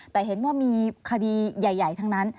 แต่เห็นว่ามีคดีใหญ่ทั้งนั้น